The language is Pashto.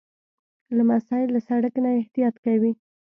لمسی له سړک نه احتیاط کوي.